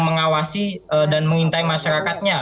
mengawasi dan mengintai masyarakatnya